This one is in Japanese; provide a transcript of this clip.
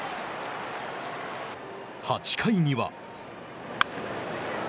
８回には。